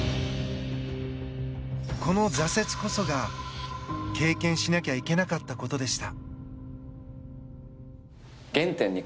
この挫折こそが経験しなきゃいけなかったことでした。